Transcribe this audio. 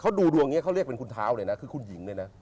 เขาดูดวงนี้เขาเรียกเป็นคุณเท้าเลยนะคือคุณหญิงเลยนะ